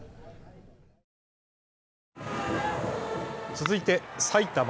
続いて埼玉。